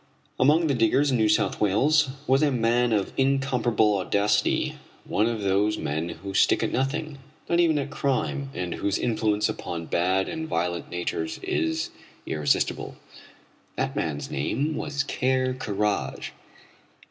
Among the diggers in New South Wales was a man of incomparable audacity, one of those men who stick at nothing not even at crime and whose influence upon bad and violent natures is irresistible. That man's name was Ker Karraje.